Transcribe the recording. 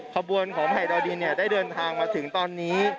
กระบวนของไถ่ดาวดินเนี่ยได้เดินทางมาถึงตอนนี้